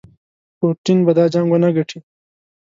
پوټین به دا جنګ ونه ګټي.